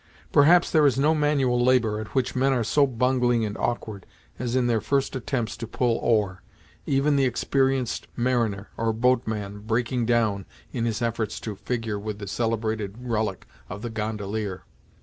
Perhaps there is no manual labor at which men are so bungling and awkward, as in their first attempts to pull oar, even the experienced mariner, or boat man, breaking down in his efforts to figure with the celebrated rullock of the gondolier.